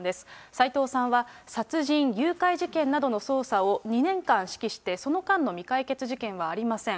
齊藤さんは殺人・誘拐事件などの捜査を２年間指揮して、その間の未解決事件はありません。